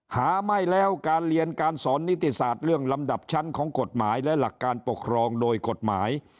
หาไม่แล้วการเรียนการสอนนิติศาสตร์เรื่องลำดับชั้นของกฎหมายและหลักการปกครองโดยกฎหมาย